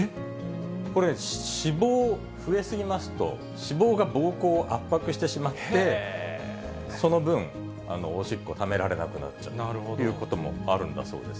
これ、脂肪、増え過ぎますと、脂肪がぼうこうを圧迫してしまって、その分、おしっこ、ためられなくなっちゃうということもあるんだそうです。